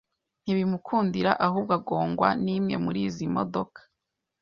ntibimukundira ahubwo agongwa n’imwe muri izi modoka